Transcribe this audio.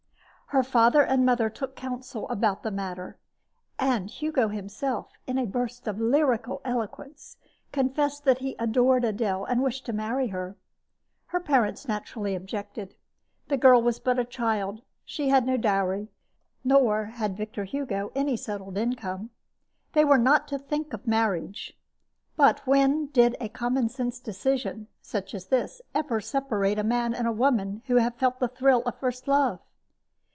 Her father and mother took counsel about the matter, and Hugo himself, in a burst of lyrical eloquence, confessed that he adored Adele and wished to marry her. Her parents naturally objected. The girl was but a child. She had no dowry, nor had Victor Hugo any settled income. They were not to think of marriage. But when did a common sense decision, such as this, ever separate a man and a woman who have felt the thrill of first love!